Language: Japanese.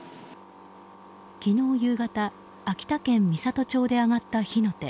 昨日夕方、秋田県美郷町で上がった火の手。